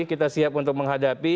kita siap untuk menghadapi